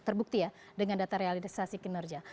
terbukti ya dengan data realisasi kinerja